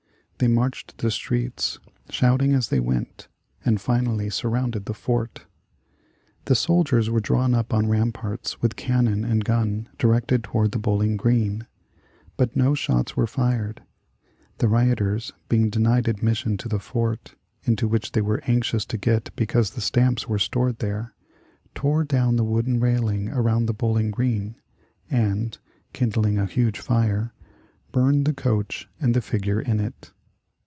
They marched the streets, shouting as they went, and finally surrounded the fort. The soldiers were drawn up on the ramparts with cannon and gun directed toward the Bowling Green. But no shots were fired. The rioters being denied admission to the fort, into which they were anxious to get because the stamps were stored there, tore down the wooden railing around the Bowling Green, and, kindling a huge fire, burned the coach and the figure in it.